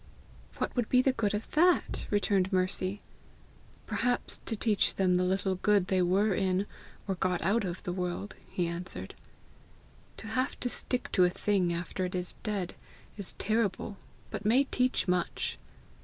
"What would be the good of that?" returned Mercy. "Perhaps to teach them the little good they were in, or got out of the world," he answered. "To have to stick to a thing after it is dead, is terrible, but may teach much."